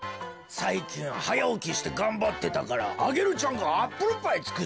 さいきんはやおきしてがんばってたからアゲルちゃんがアップルパイつくってくれたんじゃ。